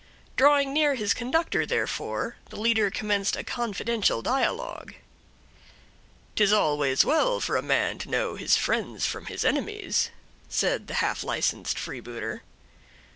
Drawing near his conductor, therefore, the leader commenced a confidential dialogue. "'Tis always well for a man to know his friends from his enemies," said the half licensed freebooter.